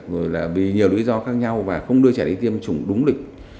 rồi là vì nhiều lý do khác nhau và không đưa trẻ đi tiêm chủng đúng lịch